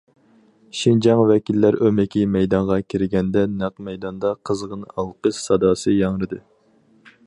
شىنجاڭ ۋەكىللەر ئۆمىكى مەيدانغا كىرگەندە، نەق مەيداندا قىزغىن ئالقىش ساداسى ياڭرىدى.